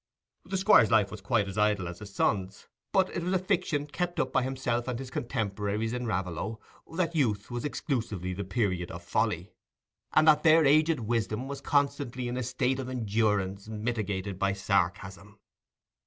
The Squire's life was quite as idle as his sons', but it was a fiction kept up by himself and his contemporaries in Raveloe that youth was exclusively the period of folly, and that their aged wisdom was constantly in a state of endurance mitigated by sarcasm.